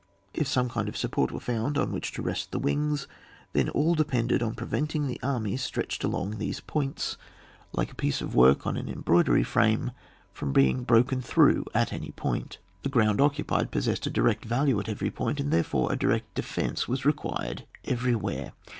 If some kind of support were found on which to rest the wings, then all depended on preventing the army stretched along between these points, like a piece of work on an embroi^ry frames from being broken through at any point. The ground occupied possessed a direoi value at every point, and therefore a direct defence was required everywhere.